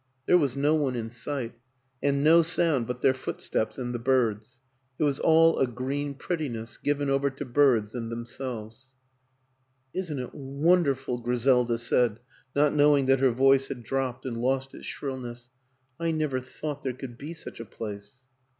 There was no one in sight and no sound but their foot steps and the birds; it was all a green prettiness given over to birds and themselves. " Isn't it wonderful? " Griselda said, not know ing that her voice had dropped and lost its shrill ness. " I never thought there could be such a place."